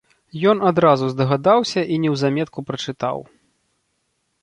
Ён адразу здагадаўся і неўзаметку прачытаў.